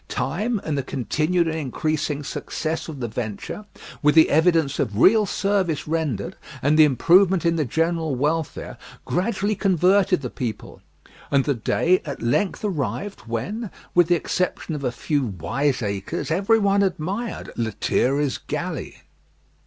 Time and the continued and increasing success of the venture, with the evidence of real service rendered and the improvement in the general welfare, gradually converted the people; and the day at length arrived when, with the exception of a few wiseacres, every one admired "Lethierry's Galley."